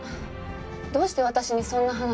どうして私にそんな話。